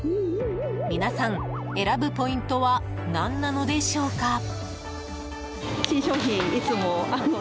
皆さん、選ぶポイントは何なのでしょうか。